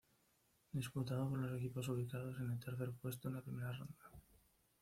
Disputado por los equipos ubicados en el tercer puesto en la primera ronda.